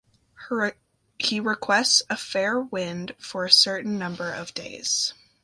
He requests a fair wind for a certain number of days.